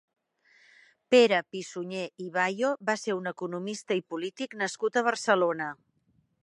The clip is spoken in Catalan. Pere Pi-Sunyer i Bayo va ser un economista i polític nascut a Barcelona.